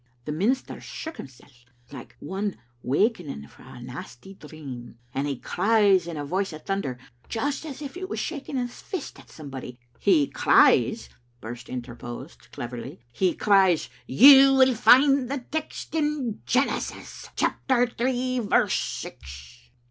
"The minister shook himsel' like one wakening frae a nasty dream, and he cries in a voice of thunder, just as if he was shaking his fist at somebody " "He cries," Birse interposed, cleverly, "he cries, •You will find the text in Genesis, chapter three, verse six.'"